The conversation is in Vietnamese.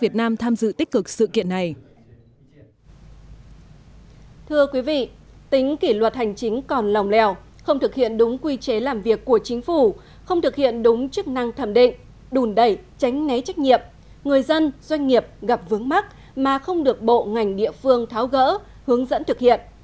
thưa quý vị tính kỷ luật hành chính còn lòng lèo không thực hiện đúng quy chế làm việc của chính phủ không thực hiện đúng chức năng thẩm định đùn đẩy tránh né trách nhiệm người dân doanh nghiệp gặp vướng mắt mà không được bộ ngành địa phương tháo gỡ hướng dẫn thực hiện